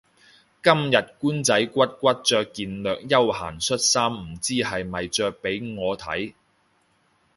今日官仔骨骨着件略休閒恤衫唔知係咪着畀我睇